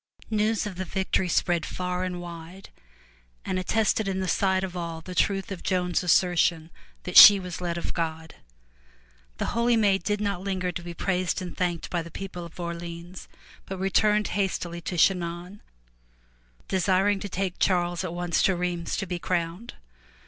News of the victory spread far and wide and attested in the sight of all the truth of Joan's assertion that she was led of God. The holy maid did not linger to be praised and thanked by the 312 I FROM THE TOWER WINDOW people of Orleans, but returned hastily to Chinon, desiring to take Charles at once to Rheims to be crowned.